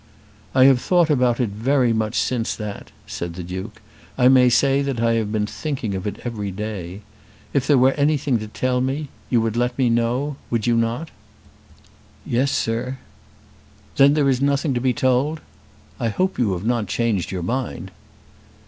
"I have thought about it very much since that," said the Duke. "I may say that I have been thinking of it every day. If there were anything to tell me, you would let me know; would you not?" "Yes, sir." "Then there is nothing to be told? I hope you have not changed your mind."